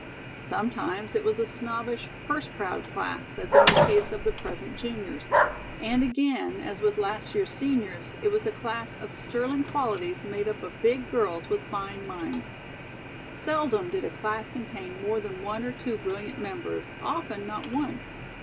Sometimes it was a snobbish, purse proud class, as in the case of the present juniors. And again, as with last year's seniors, it was a class of sterling qualities made up of big girls with fine minds. Seldom did a class contain more than one or two brilliant members, often not one.